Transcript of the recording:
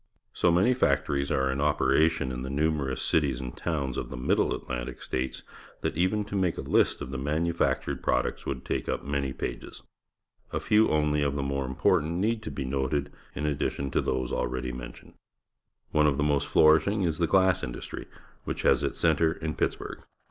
So many factories are in operation in the numerous cities and towns of the Middle Atlantic States that even to make a hst of the manufactured products would take up many pages. A few only of the more important need be noted, in addition to those already mentioned. One of the most flourish ing is the glass industry, which has its centre in Pittsburgh.